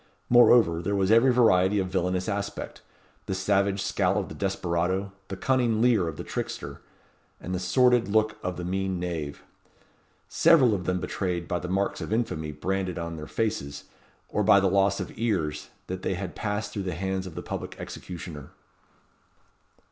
Moreover, there was every variety of villainous aspect; the savage scowl of the desperado, the cunning leer of the trickster, and the sordid look of the mean knave. Several of them betrayed, by the marks of infamy branded on their faces, or by the loss of ears, that they had passed through the hands of the public executioner.